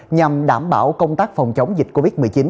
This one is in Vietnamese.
nhằm đảm bảo công tác phòng chống dịch covid một mươi chín